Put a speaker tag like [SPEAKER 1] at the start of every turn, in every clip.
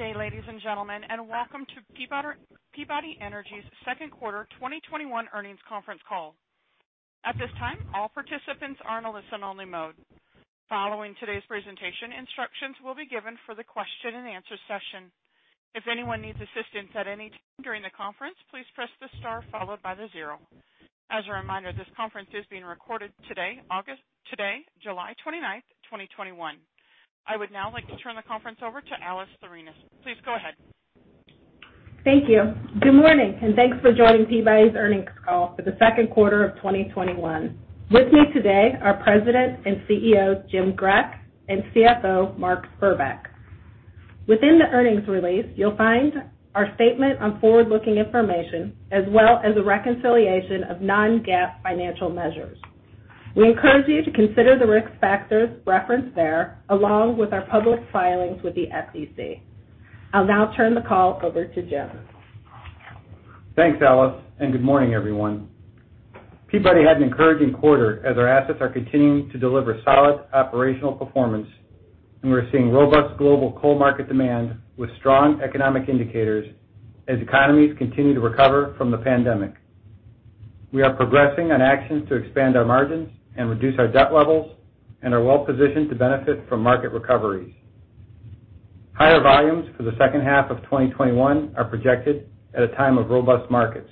[SPEAKER 1] Good day, ladies and gentlemen, and welcome to Peabody Energy's Second Quarter 2021 Earnings Conference Call. At this time, all participants are in a listen-only mode. Following today's presentation, instructions will be given for the question-and-answer session. If anyone needs assistance at any time during the conference, please press the star followed by the zero. As a reminder, this conference is being recorded today, July 29th, 2021. I would now like to turn the conference over to Alice Tharenos. Please go ahead.
[SPEAKER 2] Thank you. Good morning, and thanks for joining Peabody's Earnings Call for the second quarter of 2021. With me today are President and CEO, Jim Grech, and CFO, Mark Spurbeck. Within the earnings release, you'll find our statement on forward-looking information, as well as a reconciliation of non-GAAP financial measures. We encourage you to consider the risk factors referenced there, along with our public filings with the SEC. I'll now turn the call over to Jim.
[SPEAKER 3] Thanks, Alice, and good morning, everyone. Peabody had an encouraging quarter as our assets are continuing to deliver solid operational performance, and we're seeing robust global coal market demand with strong economic indicators as economies continue to recover from the pandemic. We are progressing on actions to expand our margins and reduce our debt levels and are well-positioned to benefit from market recoveries. Higher volumes for the second half of 2021 are projected at a time of robust markets.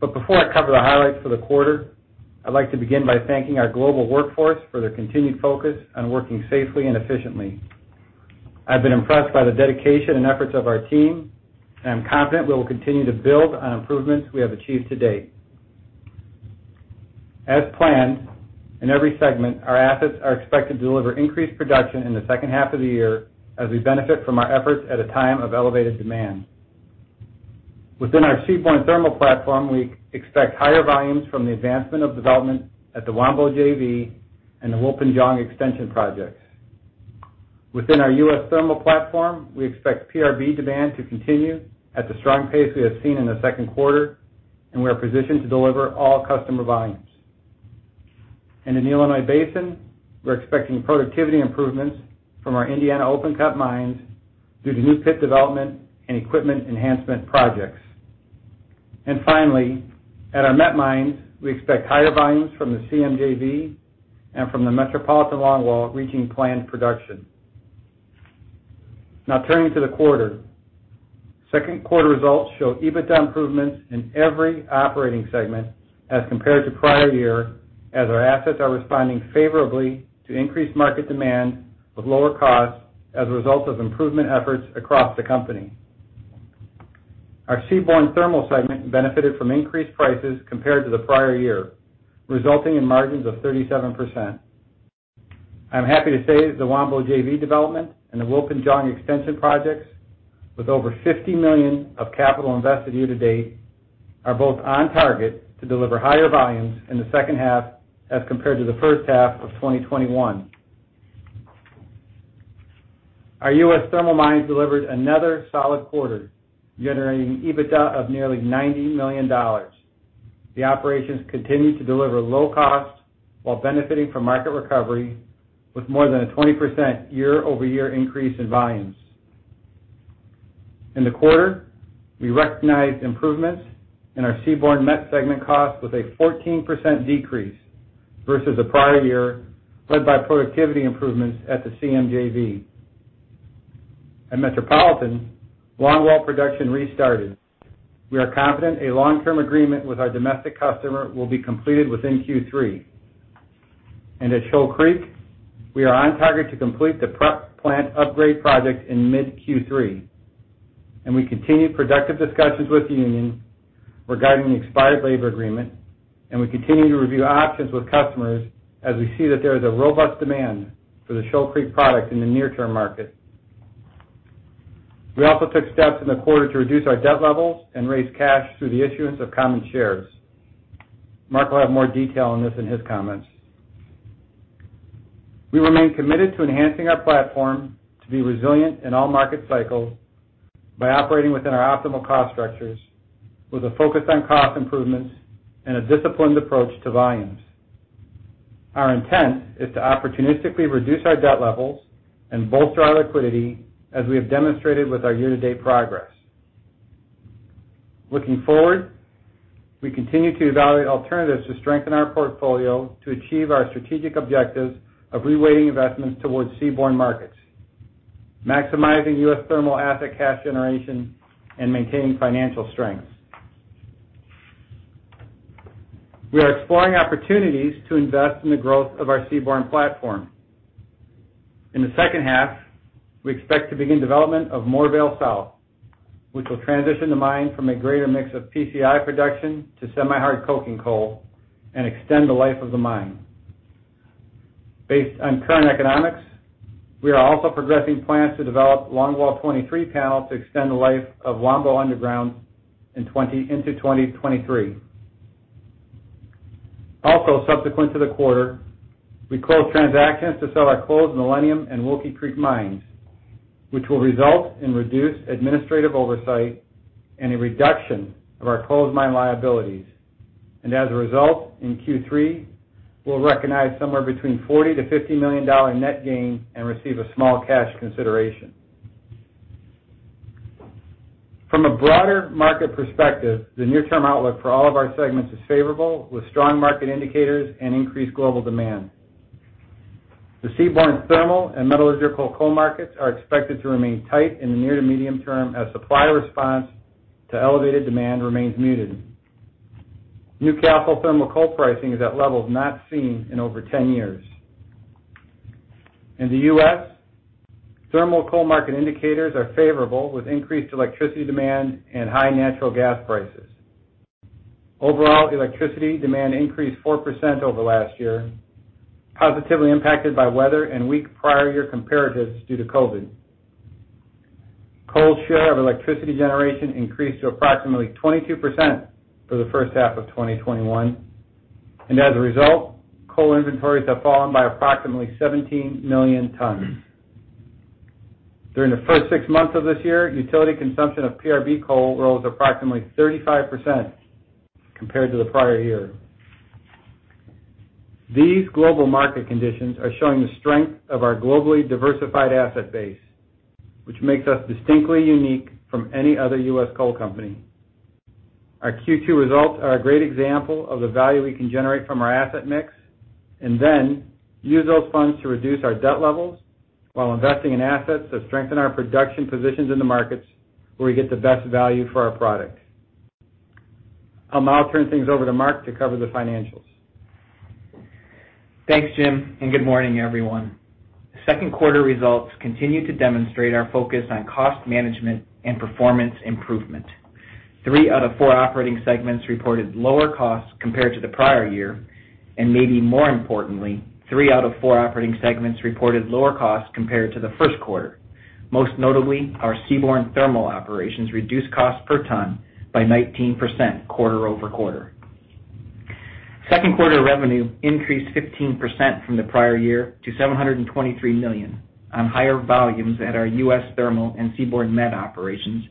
[SPEAKER 3] Before I cover the highlights for the quarter, I'd like to begin by thanking our global workforce for their continued focus on working safely and efficiently. I've been impressed by the dedication and efforts of our team, and I'm confident we will continue to build on improvements we have achieved to date. As planned, in every segment, our assets are expected to deliver increased production in the second half of the year as we benefit from our efforts at a time of elevated demand. Within our seaborne thermal platform, we expect higher volumes from the advancement of development at the Wambo JV and the Wilpinjong extension projects. Within our U.S. thermal platform, we expect PRB demand to continue at the strong pace we have seen in the second quarter, and we are positioned to deliver all customer volumes. In the Illinois Basin, we're expecting productivity improvements from our Indiana open-cut mines due to new pit development and equipment enhancement projects. Finally, at our Met mines, we expect higher volumes from the CMJV and from the Metropolitan longwall reaching planned production. Now turning to the quarter. Second quarter results show EBITDA improvements in every operating segment as compared to prior year, as our assets are responding favorably to increased market demand with lower costs as a result of improvement efforts across the company. Our seaborne thermal segment benefited from increased prices compared to the prior year, resulting in margins of 37%. I'm happy to say the Wambo JV development and the Wilpinjong extension projects, with over $50 million of capital invested year-to-date, are both on target to deliver higher volumes in the second half as compared to the first half of 2021. Our U.S. thermal mines delivered another solid quarter, generating EBITDA of nearly $90 million. The operations continue to deliver low cost while benefiting from market recovery with more than a 20% year-over-year increase in volumes. In the quarter, we recognized improvements in our seaborne met segment cost with a 14% decrease versus the prior year, led by productivity improvements at the CMJV. At Metropolitan, longwall production restarted. We are confident a long-term agreement with our domestic customer will be completed within Q3. At Shoal Creek, we are on target to complete the prep plant upgrade project in mid Q3, and we continue productive discussions with the union regarding the expired labor agreement, and we continue to review options with customers as we see that there is a robust demand for the Shoal Creek product in the near-term market. We also took steps in the quarter to reduce our debt levels and raise cash through the issuance of common shares. Mark will have more detail on this in his comments. We remain committed to enhancing our platform to be resilient in all market cycles by operating within our optimal cost structures with a focus on cost improvements and a disciplined approach to volumes. Our intent is to opportunistically reduce our debt levels and bolster our liquidity as we have demonstrated with our year-to-date progress. Looking forward, we continue to evaluate alternatives to strengthen our portfolio to achieve our strategic objectives of reweighting investments towards seaborne markets, maximizing U.S. thermal asset cash generation, and maintaining financial strength. We are exploring opportunities to invest in the growth of our seaborne platform. In the second half, we expect to begin development of Moorvale South, which will transition the mine from a greater mix of PCI production to semi-hard coking coal and extend the life of the mine. Based on current economics, we are also progressing plans to develop longwall 23 panel to extend the life of Wambo underground into 2023. Also, subsequent to the quarter, we closed transactions to sell our closed Millennium and Wilkie Creek mines, which will result in reduced administrative oversight and a reduction of our closed mine liabilities. As a result, in Q3, we'll recognize somewhere between $40 million-$50 million net gain and receive a small cash consideration. From a broader market perspective, the near-term outlook for all of our segments is favorable, with strong market indicators and increased global demand. The seaborne thermal and metallurgical coal markets are expected to remain tight in the near to medium term as supplier response to elevated demand remains muted. Newcastle thermal coal pricing is at levels not seen in over 10 years. In the U.S., thermal coal market indicators are favorable, with increased electricity demand and high natural gas prices. Overall, electricity demand increased 4% over last year, positively impacted by weather and weak prior year comparatives due to COVID. Coal share of electricity generation increased to approximately 22% for the first half of 2021, and as a result, coal inventories have fallen by approximately 70 million tons. During the first six months of this year, utility consumption of PRB coal rose approximately 35% compared to the prior year. These global market conditions are showing the strength of our globally diversified asset base, which makes us distinctly unique from any other U.S. coal company. Our Q2 results are a great example of the value we can generate from our asset mix and then use those funds to reduce our debt levels while investing in assets that strengthen our production positions in the markets where we get the best value for our products. I'll now turn things over to Mark to cover the financials.
[SPEAKER 4] Thanks, Jim, and good morning, everyone. Second quarter results continue to demonstrate our focus on cost management and performance improvement. Three out of four operating segments reported lower costs compared to the prior year, and maybe more importantly, three out of four operating segments reported lower costs compared to the first quarter. Most notably, our seaborne thermal operations reduced costs per ton by 19% quarter-over-quarter. Second quarter revenue increased 15% from the prior year to $723 million on higher volumes at our U.S. thermal and seaborne met operations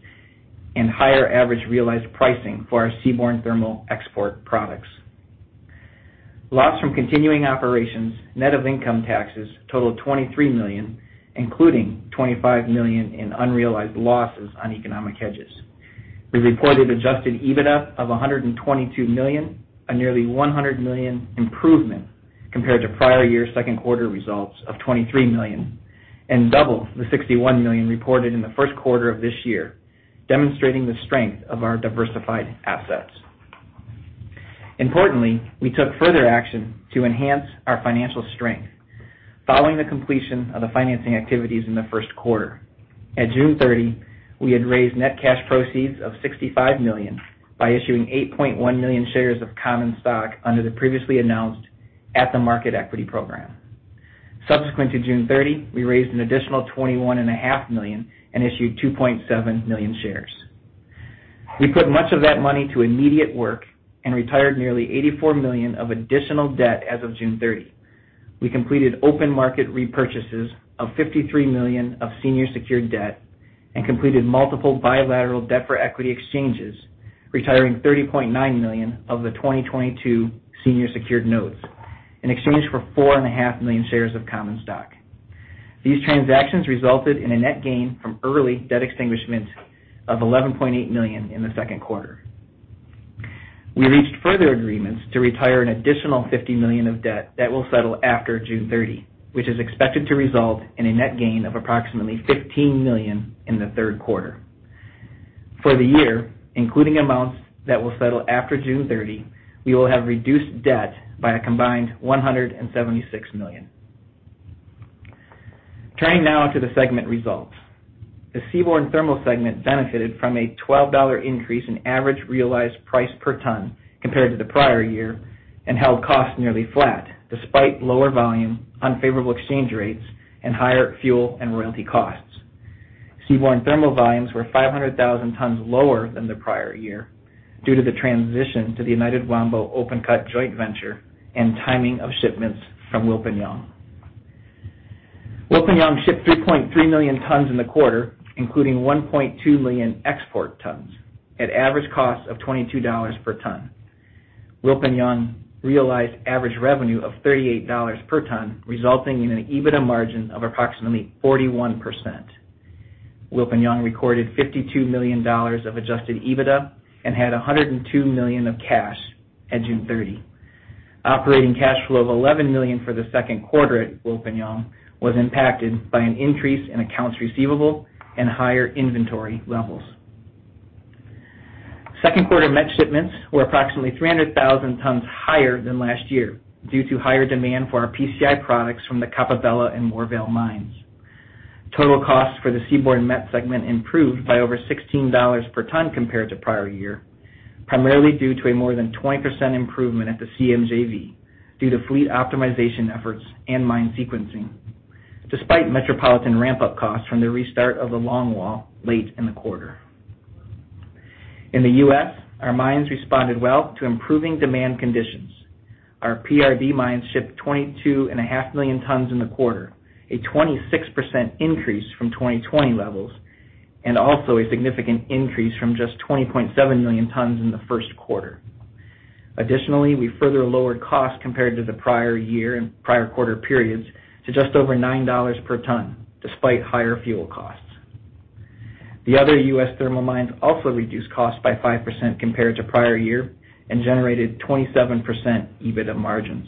[SPEAKER 4] and higher average realized pricing for our seaborne thermal export products. Loss from continuing operations, net of income taxes totaled $23 million, including $25 million in unrealized losses on economic hedges. We reported adjusted EBITDA of $122 million, a nearly $100 million improvement compared to prior year second quarter results of $23 million and double the $61 million reported in the first quarter of this year, demonstrating the strength of our diversified assets. Importantly, we took further action to enhance our financial strength following the completion of the financing activities in the first quarter. At June 30, we had raised net cash proceeds of $65 million by issuing 8.1 million shares of common stock under the previously announced at the market equity program. Subsequent to June 30, we raised an additional $21.5 million and issued 2.7 million shares. We put much of that money to immediate work and retired nearly $84 million of additional debt as of June 30. We completed open market repurchases of $53 million of senior secured debt and completed multiple bilateral debt for equity exchanges, retiring $30.9 million of the 2022 senior secured notes in exchange for 4.5 million shares of common stock. These transactions resulted in a net gain from early debt extinguishment of $11.8 million in the second quarter. We reached further agreements to retire an additional $50 million of debt that will settle after June 30, which is expected to result in a net gain of approximately $15 million in the third quarter. For the year, including amounts that will settle after June 30, we will have reduced debt by a combined $176 million. Turning now to the segment results. The seaborne thermal segment benefited from a $12 increase in average realized price per ton compared to the prior year and held costs nearly flat, despite lower volume, unfavorable exchange rates, and higher fuel and royalty costs. Seaborne thermal volumes were 500,000 tons lower than the prior year due to the transition to the United Wambo open cut Joint Venture and timing of shipments from Wilpinjong. Wilpinjong shipped 3.3 million tons in the quarter, including 1.2 million export tons at average costs of $22 per ton. Wilpinjong realized average revenue of $38 per ton, resulting in an EBITDA margin of approximately 41%. Wilpinjong recorded $52 million of adjusted EBITDA and had $102 million of cash at June 30. Operating cash flow of $11 million for the second quarter at Wilpinjong was impacted by an increase in accounts receivable and higher inventory levels. Second quarter met shipments were approximately 300,000 tons higher than last year due to higher demand for our PCI products from the Coppabella and Moorvale mines. Total costs for the seaborne met segment improved by over $16 per ton compared to prior year, primarily due to a more than 20% improvement at the CMJV due to fleet optimization efforts and mine sequencing, despite Metropolitan ramp-up costs from the restart of the longwall late in the quarter. In the U.S., our mines responded well to improving demand conditions. Our PRB mines shipped 22.5 million tons in the quarter, a 26% increase from 2020 levels, and also a significant increase from just 20.7 million tons in the first quarter. Additionally, we further lowered costs compared to the prior year and prior quarter periods to just over $9 per ton despite higher fuel costs. The other U.S. thermal mines also reduced costs by 5% compared to prior year and generated 27% EBITDA margins.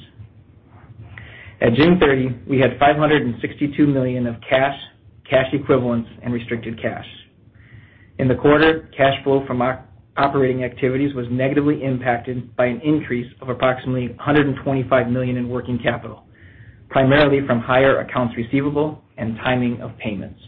[SPEAKER 4] At June 30, we had $562 million of cash equivalents and restricted cash. In the quarter, cash flow from operating activities was negatively impacted by an increase of approximately $125 million in working capital, primarily from higher accounts receivable and timing of payments.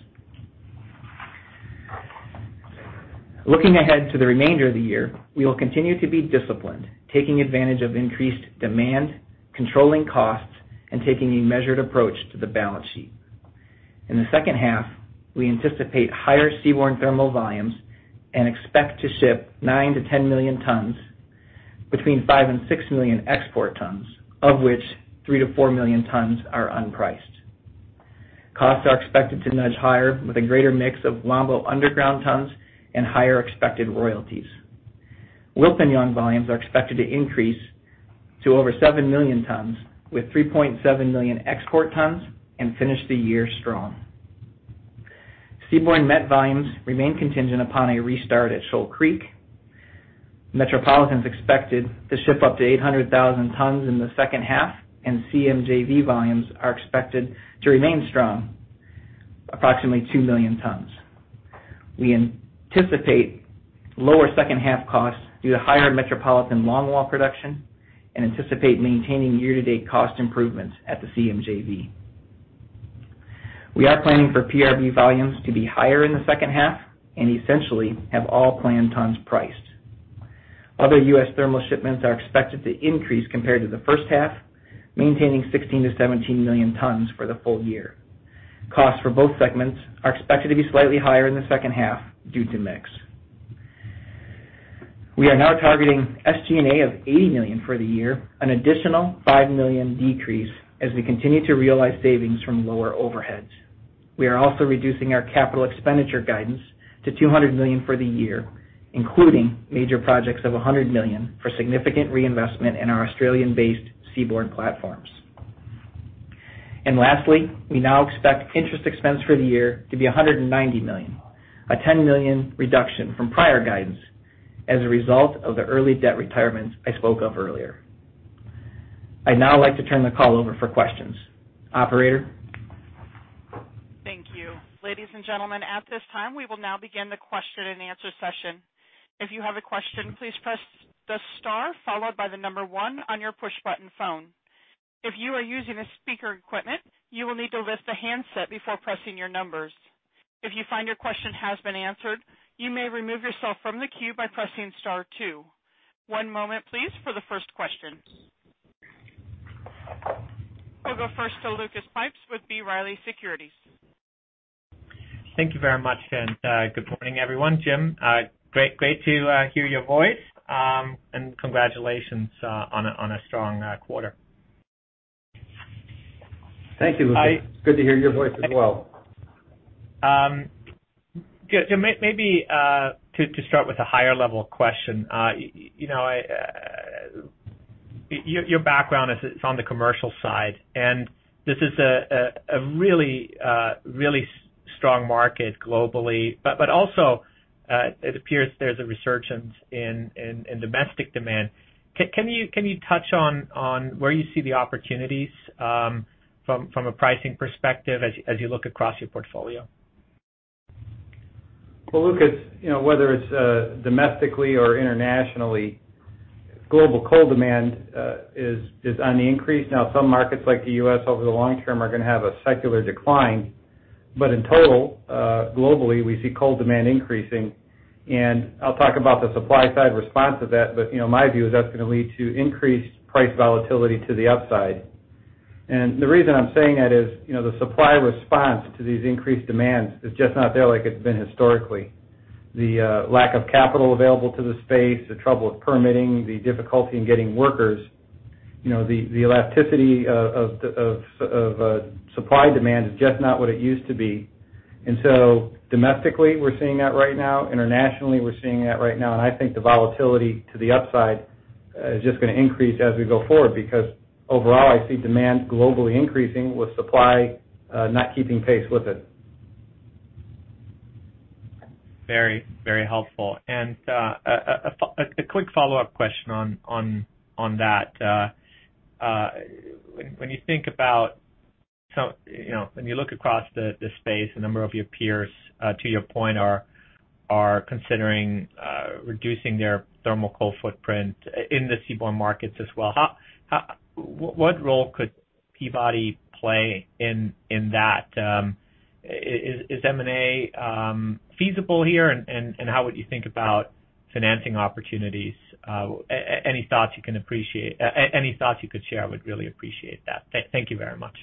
[SPEAKER 4] Looking ahead to the remainder of the year, we will continue to be disciplined, taking advantage of increased demand, controlling costs, and taking a measured approach to the balance sheet. In the second half, we anticipate higher seaborne thermal volumes and expect to ship 9 million-10 million tons, between 5 million and 6 million export tons, of which 3 million-4 million tons are unpriced. Costs are expected to nudge higher with a greater mix of Wambo underground tons and higher expected royalties. Wilpinjong volumes are expected to increase to over 7 million tons, with 3.7 million export tons and finish the year strong. Seaborne met volumes remain contingent upon a restart at Shoal Creek. Metropolitan is expected to ship up to 800,000 tons in the second half, and CMJV volumes are expected to remain strong, approximately 2 million tons. We anticipate lower second half costs due to higher Metropolitan longwall production and anticipate maintaining year-to-date cost improvements at the CMJV. We are planning for PRB volumes to be higher in the second half and essentially have all planned tons priced. Other U.S. thermal shipments are expected to increase compared to the first half, maintaining 16 million-17 million tons for the full year. Costs for both segments are expected to be slightly higher in the second half due to mix. We are now targeting SG&A of $80 million for the year, an additional $5 million decrease as we continue to realize savings from lower overheads. We are also reducing our capital expenditure guidance to $200 million for the year, including major projects of $100 million for significant reinvestment in our Australian-based seaborne platforms. Lastly, we now expect interest expense for the year to be $190 million, a $10 million reduction from prior guidance as a result of the early debt retirements I spoke of earlier. I'd now like to turn the call over for questions. Operator?
[SPEAKER 1] Thank you. Ladies and gentlemen, at this time, we will now begin the question-and-answer session. If you have a question, please press the star followed by the number one on your push button phone. If you are using a speaker equipment, you will need to lift the handset before pressing your numbers. If you find your question has been answered, you may remove yourself from the queue by pressing star two. One moment please for the first question. We'll go first to Lucas Pipes with B. Riley Securities.
[SPEAKER 5] Thank you very much. Good morning, everyone. Jim, great to hear your voice. Congratulations on a strong quarter.
[SPEAKER 3] Thank you, Lucas. Good to hear your voice as well.
[SPEAKER 5] Good. Jim, maybe to start with a higher-level question. Your background is on the commercial side, and this is a really strong market globally. Also, it appears there's a resurgence in domestic demand. Can you touch on where you see the opportunities from a pricing perspective as you look across your portfolio?
[SPEAKER 3] Well, Lucas, whether it's domestically or internationally, global coal demand is on the increase. Some markets like the U.S. over the long term are going to have a secular decline. In total, globally, we see coal demand increasing. I'll talk about the supply side response of that. My view is that's going to lead to increased price volatility to the upside. The reason I'm saying that is the supply response to these increased demands is just not there like it's been historically. The lack of capital available to the space, the trouble with permitting, the difficulty in getting workers, the elasticity of supply-demand is just not what it used to be. Domestically, we're seeing that right now. Internationally, we're seeing that right now. I think the volatility to the upside is just going to increase as we go forward because overall I see demand globally increasing with supply not keeping pace with it.
[SPEAKER 5] Very helpful. A quick follow-up question on that. When you look across the space, a number of your peers, to your point, are considering reducing their thermal coal footprint in the seaborne markets as well. What role could Peabody play in that? Is M&A feasible here and how would you think about financing opportunities? Any thoughts you could share, I would really appreciate that. Thank you very much.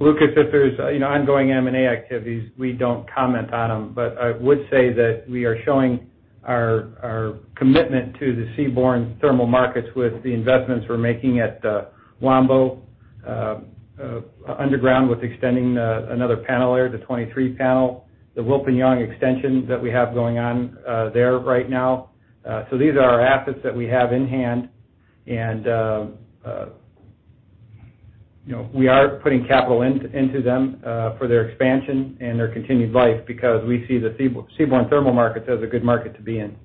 [SPEAKER 3] Lucas, if there's ongoing M&A activities, we don't comment on them. I would say that we are showing our commitment to the seaborne thermal markets with the investments we're making at Wambo underground with extending another panel there, the 23 panel, and the Wilpinjong extension that we have going on there right now. These are our assets that we have in hand, and we are putting capital into them for their expansion and their continued life because we see the seaborne thermal market as a good market to be in.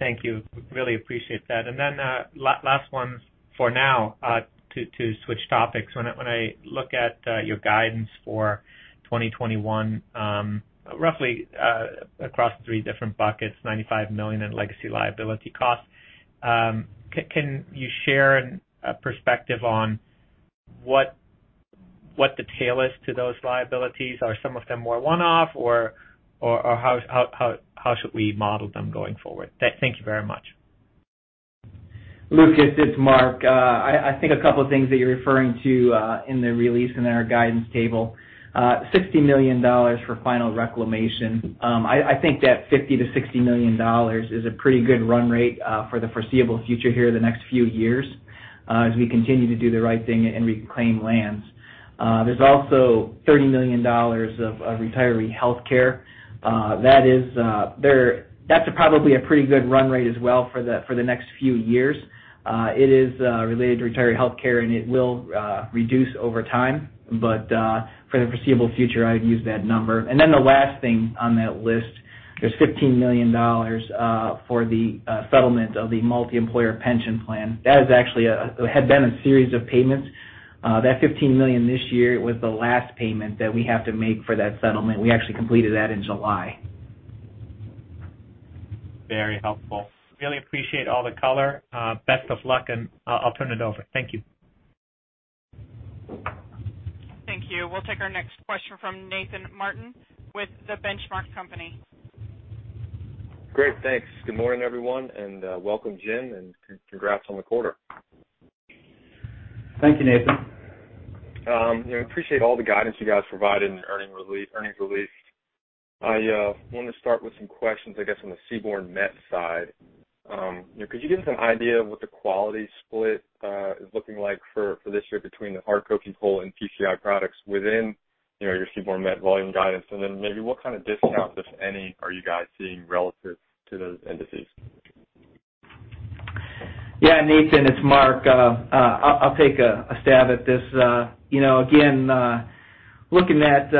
[SPEAKER 5] Thank you. Really appreciate that. Last one for now, to switch topics. When I look at your guidance for 2021, roughly across the three different buckets, $95 million in legacy liability costs. Can you share a perspective on what the tail is to those liabilities? Are some of them more one-off, or how should we model them going forward? Thank you very much.
[SPEAKER 4] Lucas, it's Mark. I think a couple of things that you're referring to in the release in our guidance table, $60 million for final reclamation. I think that $50 million-$60 million is a pretty good run rate for the foreseeable future here the next few years as we continue to do the right thing and reclaim lands. There's also $30 million of retiree healthcare. That's probably a pretty good run rate as well for the next few years. It is related to retiree healthcare, and it will reduce over time. For the foreseeable future, I'd use that number. The last thing on that list, there's $15 million for the settlement of the multi-employer pension plan. That had been a series of payments. That $15 million this year was the last payment that we have to make for that settlement. We actually completed that in July.
[SPEAKER 5] Very helpful. Really appreciate all the color. Best of luck, and I'll turn it over. Thank you.
[SPEAKER 1] Thank you. We'll take our next question from Nathan Martin with The Benchmark Company.
[SPEAKER 6] Great. Thanks. Good morning, everyone, welcome, Jim, congrats on the quarter.
[SPEAKER 3] Thank you, Nathan.
[SPEAKER 6] I appreciate all the guidance you guys provided in the earnings release. I wanted to start with some questions, I guess, on the seaborne met side. Could you give us an idea of what the quality split is looking like for this year between the coking coal and PCI products within your seaborne met volume guidance? Then maybe what kind of discounts, if any, are you guys seeing relative to those indices?
[SPEAKER 4] Nathan, it's Mark. I'll take a stab at this. Again, looking at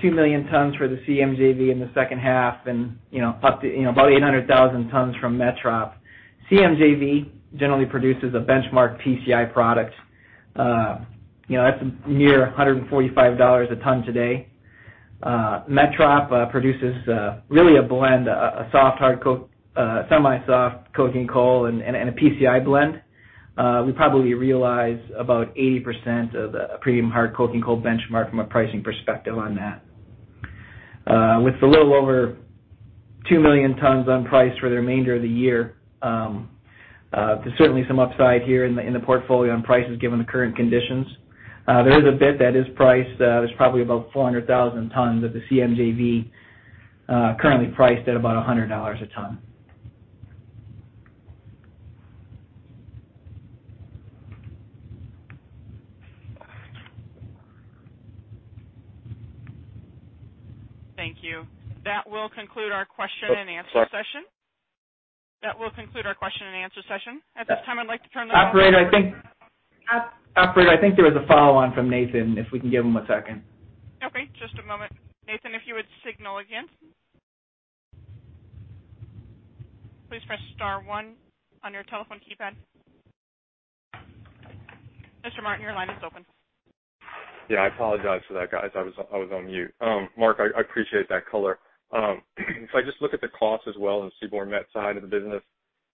[SPEAKER 4] 2 million tons for the CMJV in the second half and up to about 800,000 tons from Metropolitan. CMJV generally produces a benchmark PCI product. That's near $145 a ton today. Metropolitan produces really a blend, a semi-soft coking coal and a PCI blend. We probably realize about 80% of the premium hard coking coal benchmark from a pricing perspective on that. With a little over 2 million tons on price for the remainder of the year, there's certainly some upside here in the portfolio on prices given the current conditions. There is a bit that is priced. There's probably about 400,000 tons at the CMJV currently priced at about $100 a ton.
[SPEAKER 1] Thank you. That will conclude our question-and-answer session. At this time, I'd like to turn the-
[SPEAKER 4] Operator, I think there was a follow on from Nathan, if we can give him a second.
[SPEAKER 1] Okay, just a moment. Nathan, if you would signal again. Please press star one on your telephone keypad. Mr. Martin, your line is open.
[SPEAKER 6] Yeah, I apologize for that, guys. I was on mute. Mark, I appreciate that color. If I just look at the cost as well on the seaborne met side of the business,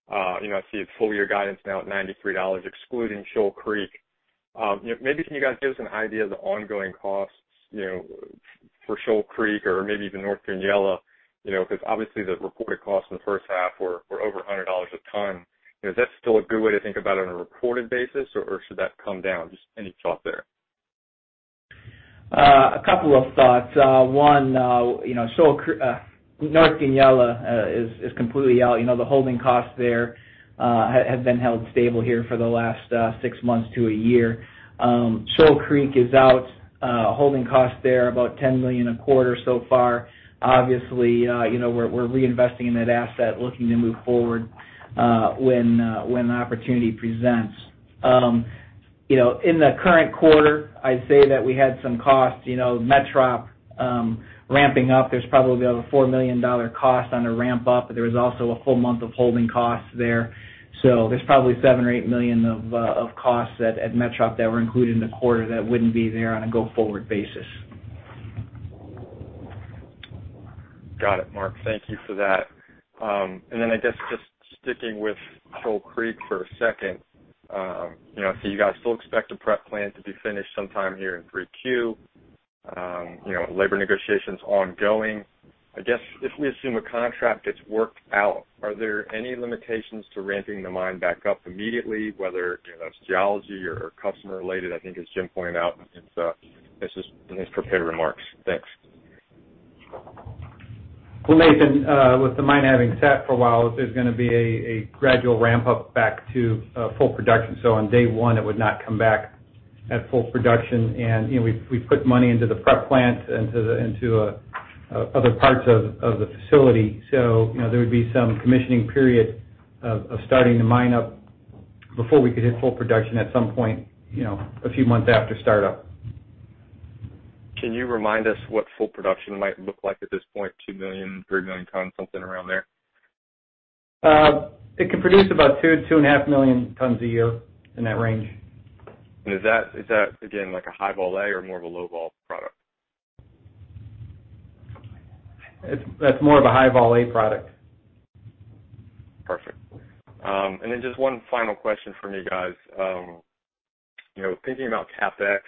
[SPEAKER 6] I see a full-year guidance now at $93 excluding Shoal Creek. Maybe can you guys give us an idea of the ongoing costs for Shoal Creek or maybe even North Goonyella because obviously the reported costs in the first half were over $100 a ton. Is that still a good way to think about it on a reported basis, or should that come down? Just any thought there.
[SPEAKER 4] A couple of thoughts. One, North Goonyella is completely out. The holding cost there has been held stable here for the last six months to a year. Shoal Creek is out. Holding cost there, about $10 million a quarter so far. Obviously, we're reinvesting in that asset, looking to move forward when the opportunity presents. In the current quarter, I'd say that we had some costs. Metropolitan ramping up, there's probably about a $4 million cost on the ramp-up, but there was also a whole month of holding costs there. There's probably $7 million or $8 million of costs at Metropolitan that were included in the quarter that wouldn't be there on a go-forward basis.
[SPEAKER 6] Got it, Mark. Thank you for that. I guess just sticking with Shoal Creek for a second. I see you guys still expect a prep plant to be finished sometime here in 3Q. With labor negotiations ongoing, I guess if we assume a contract gets worked out, are there any limitations to ramping the mine back up immediately, whether that's geology or customer related, I think as Jim pointed out in his prepared remarks? Thanks.
[SPEAKER 3] Well, Nathan, with the mine having sat for a while, there's going to be a gradual ramp-up back to full production. On day one, it would not come back at full production. We've put money into the prep plant and into other parts of the facility. There would be some commissioning period of starting the mine up before we could hit full production at some point a few months after startup.
[SPEAKER 6] Can you remind us what full production might look like at this point? 2 million, 3 million tons, something around there?
[SPEAKER 3] It can produce about 2.5 million tons a year, in that range.
[SPEAKER 6] Is that, again, like a high vol A or more of a low vol product?
[SPEAKER 3] That's more of a high vol A product.
[SPEAKER 6] Perfect. Just one final question from me, guys. Thinking about CapEx,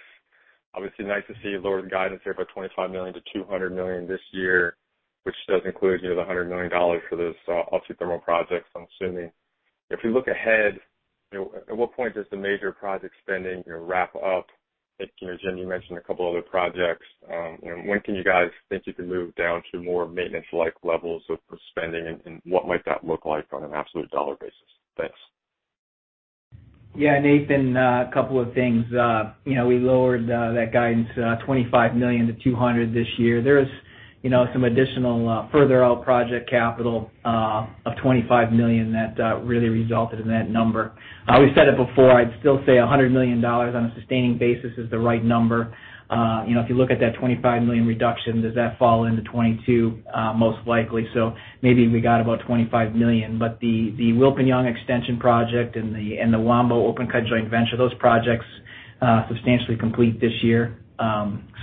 [SPEAKER 6] obviously nice to see lowered guidance there by $25 million- $200 million this year, which does include the $100 million for this autothermal projects, I'm assuming. If you look ahead, at what point does the major project spending wrap up? Jim, you mentioned a couple other projects. When can you guys think you can move down to more maintenance-like levels of spending, and what might that look like on an absolute dollar basis? Thanks.
[SPEAKER 4] Nathan, a couple of things. We lowered that guidance $25 million to $200 million this year. There is some additional further out project capital of $25 million that really resulted in that number. We've said it before, I'd still say $100 million on a sustaining basis is the right number. If you look at that $25 million reduction, does that fall into 2022? Most likely. Maybe we got about $25 million, but the Wilpinjong extension project and the Wambo open cut Joint Venture, those projects substantially complete this year.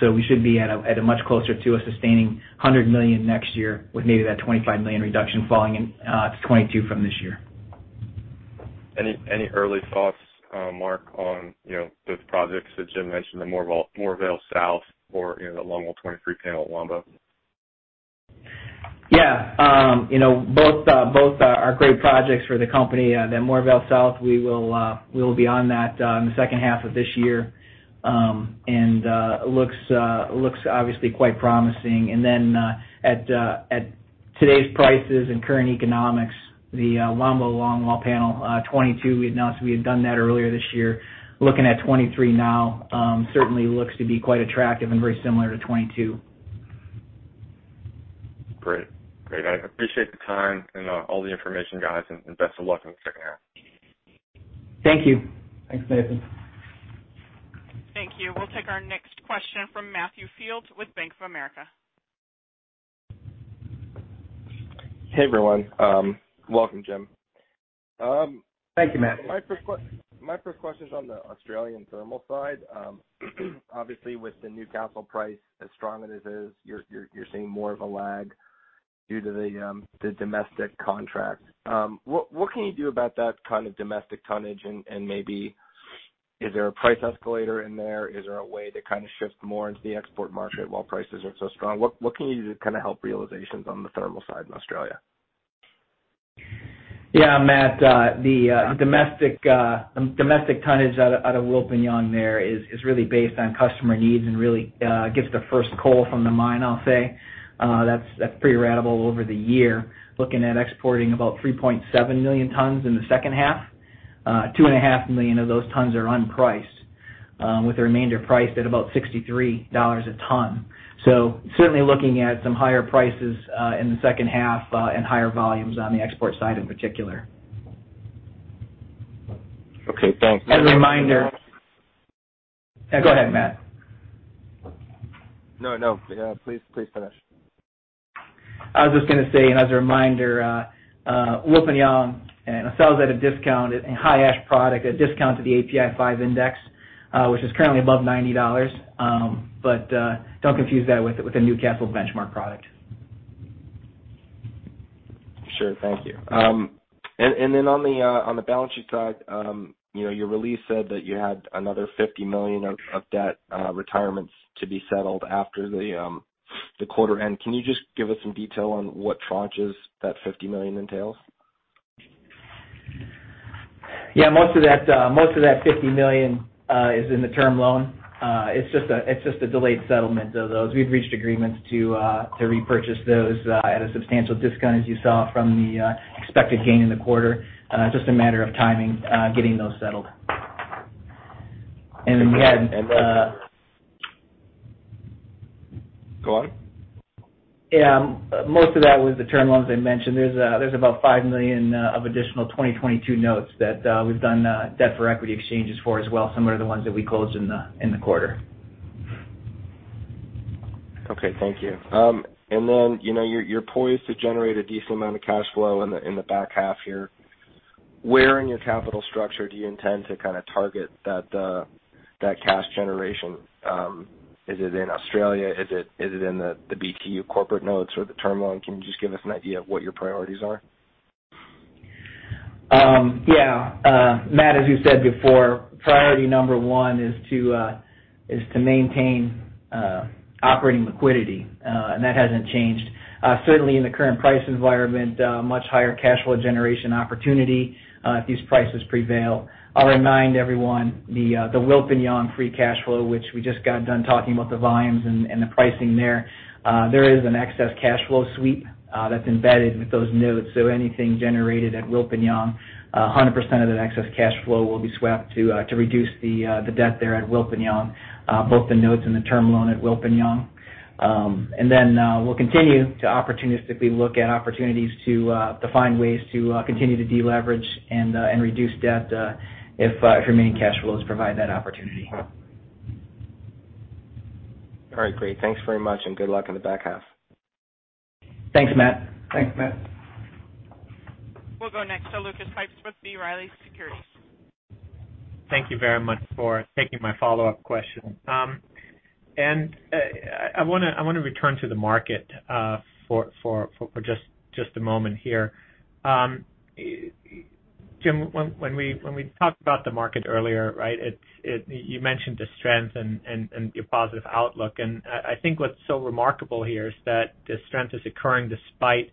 [SPEAKER 4] We should be at a much closer to a sustaining $100 million next year with maybe that $25 million reduction falling into 2022 from this year.
[SPEAKER 6] Any early thoughts, Mark, on those projects that Jim mentioned, the Moorvale South or the Longwall 23 panel at Wambo?
[SPEAKER 4] Yeah. Both are great projects for the company. That Moorvale South, we will be on that in the second half of this year, and looks obviously quite promising. At today's prices and current economics, the Wambo Longwall Panel 22, we had announced we had done that earlier this year. Looking at 2023 now certainly looks to be quite attractive and very similar to 2022.
[SPEAKER 6] Great. I appreciate the time and all the information, guys, and best of luck in the second half.
[SPEAKER 4] Thank you.
[SPEAKER 3] Thanks, Nathan.
[SPEAKER 1] Thank you. We will take our next question from Matthew Fields with Bank of America.
[SPEAKER 7] Hey, everyone. Welcome, Jim.
[SPEAKER 3] Thank you, Matt.
[SPEAKER 7] My first question is on the Australian thermal side. Obviously, with the Newcastle price as strong as it is, you're seeing more of a lag due to the domestic contract. What can you do about that kind of domestic tonnage, and maybe is there a price escalator in there? Is there a way to kind of shift more into the export market while prices are so strong? What can you do to kind of help realizations on the thermal side in Australia?
[SPEAKER 4] Yeah, Matthew, the domestic tonnage out of Wilpinjong there is really based on customer needs and really gets the first coal from the mine, I'll say. That's pretty ratable over the year. Looking at exporting about 3.7 million tons in the second half. Two and a half million of those tons are unpriced, with the remainder priced at about $63 a ton. Certainly looking at some higher prices in the second half and higher volumes on the export side in particular.
[SPEAKER 7] Okay, thanks.
[SPEAKER 4] As a reminder. Go ahead, Matt.
[SPEAKER 7] No, please finish.
[SPEAKER 4] I was just going to say, as a reminder, Wilpinjong sells at a discount, a high ash product at a discount to the API 5 index, which is currently above $90. Don't confuse that with the Newcastle benchmark product.
[SPEAKER 7] Sure. Thank you. On the balance sheet side, your release said that you had another $50 million of debt retirements to be settled after the quarter end. Can you just give us some detail on what tranches that $50 million entails?
[SPEAKER 4] Yeah, most of that $50 million is in the term loan. It's just a delayed settlement of those. We've reached agreements to repurchase those at a substantial discount, as you saw from the expected gain in the quarter. Just a matter of timing, getting those settled.
[SPEAKER 7] Go on.
[SPEAKER 4] Yeah. Most of that was the term loans I mentioned. There's about $5 million of additional 2022 notes that we've done debt for equity exchanges for as well, similar to the ones that we closed in the quarter.
[SPEAKER 7] Okay, thank you. You're poised to generate a decent amount of cash flow in the back half here. Where in your capital structure do you intend to kind of target that cash generation? Is it in Australia? Is it in the BTU corporate notes or the term loan? Can you just give us an idea of what your priorities are?
[SPEAKER 4] Matt, as you said before, priority number one is to maintain operating liquidity, and that hasn't changed. Certainly in the current price environment, much higher cash flow generation opportunity if these prices prevail. I'll remind everyone, the Wilpinjong free cash flow, which we just got done talking about the volumes and the pricing there is an excess cash flow sweep that's embedded with those notes. Anything generated at Wilpinjong, 100% of that excess cash flow will be swept to reduce the debt there at Wilpinjong, both the notes and the term loan at Wilpinjong. We'll continue to opportunistically look at opportunities to find ways to continue to deleverage and reduce debt if remaining cash flows provide that opportunity.
[SPEAKER 7] All right, great. Thanks very much, and good luck in the back half.
[SPEAKER 4] Thanks, Matt.
[SPEAKER 3] Thanks, Matt.
[SPEAKER 1] We'll go next to Lucas Pipes with B. Riley Securities.
[SPEAKER 5] Thank you very much for taking my follow-up question. I want to return to the market for just a moment here. Jim, when we talked about the market earlier, you mentioned the strength and your positive outlook. I think what's so remarkable here is that the strength is occurring despite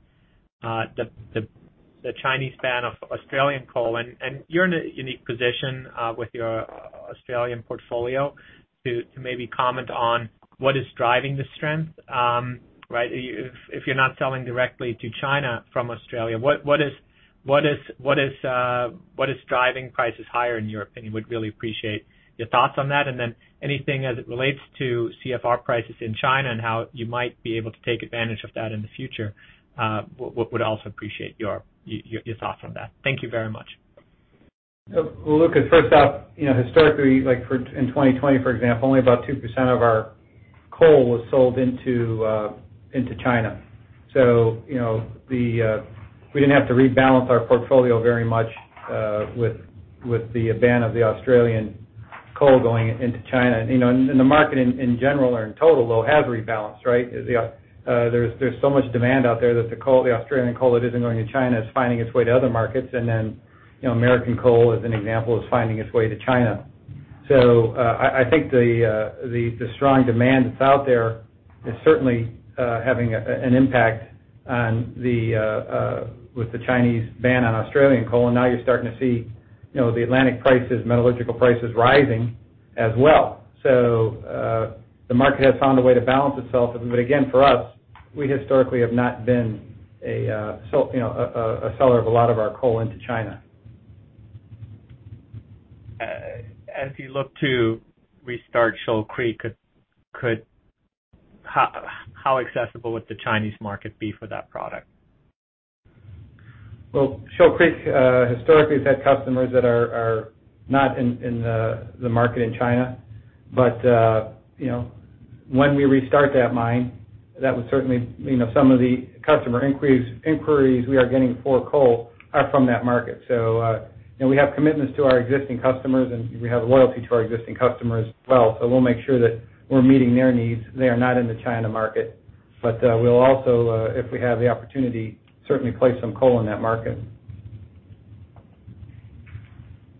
[SPEAKER 5] the Chinese ban of Australian coal. You're in a unique position with your Australian portfolio to maybe comment on what is driving the strength. If you're not selling directly to China from Australia, what is driving prices higher in your opinion? Would really appreciate your thoughts on that. Anything as it relates to CFR prices in China and how you might be able to take advantage of that in the future, would also appreciate your thoughts on that. Thank you very much.
[SPEAKER 3] Lucas, first off, historically, like in 2020, for example, only about 2% of our coal was sold into China. We didn't have to rebalance our portfolio very much with the ban of the Australian coal going into China. The market in general or in total, though, has rebalanced, right? There's so much demand out there that the Australian coal that isn't going to China is finding its way to other markets. American coal, as an example, is finding its way to China. I think the strong demand that's out there is certainly having an impact with the Chinese ban on Australian coal. Now you're starting to see the Atlantic prices, metallurgical prices rising as well. The market has found a way to balance itself. Again, for us, we historically have not been a seller of a lot of our coal into China.
[SPEAKER 5] As you look to restart Shoal Creek, how accessible would the Chinese market be for that product?
[SPEAKER 3] Well, Shoal Creek historically has had customers that are not in the market in China. When we restart that mine, some of the customer inquiries we are getting for coal are from that market. We have commitments to our existing customers, and we have loyalty to our existing customers as well. We'll make sure that we're meeting their needs. They are not in the China market. We'll also, if we have the opportunity, certainly place some coal in that market.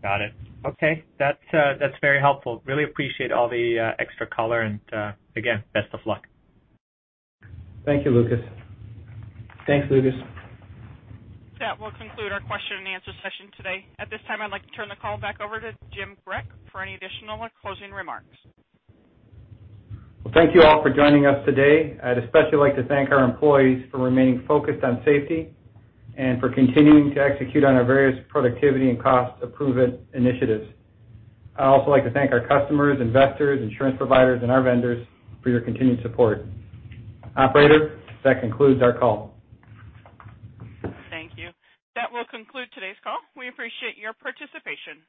[SPEAKER 5] Got it. Okay. That's very helpful. Really appreciate all the extra color. Again, best of luck.
[SPEAKER 3] Thank you, Lucas.
[SPEAKER 4] Thanks, Lucas.
[SPEAKER 1] That will conclude our question-and-answer session today. At this time, I'd like to turn the call back over to Jim Grech for any additional or closing remarks.
[SPEAKER 3] Well, thank you all for joining us today. I'd especially like to thank our employees for remaining focused on safety and for continuing to execute on our various productivity and cost improvement initiatives. I'd also like to thank our customers, investors, insurance providers, and our vendors for your continued support. Operator, that concludes our call.
[SPEAKER 1] Thank you. That will conclude today's call. We appreciate your participation.